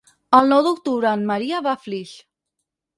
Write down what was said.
El nou d'octubre en Maria va a Flix.